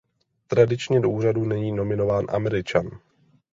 Tradičně do úřadu není nominován Američan.